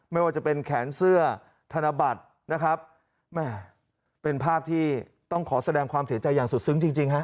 ไม่ว่าจะเป็นแขนเสื้อธนบัตรนะครับแม่เป็นภาพที่ต้องขอแสดงความเสียใจอย่างสุดซึ้งจริงจริงฮะ